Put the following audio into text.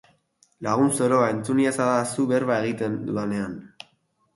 Lagun zoroa, entzun iezadazu berba egiten dudanean.